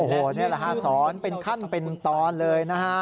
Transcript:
โอ้โหนี่แหละฮะสอนเป็นขั้นเป็นตอนเลยนะฮะ